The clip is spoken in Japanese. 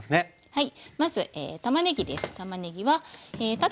はい。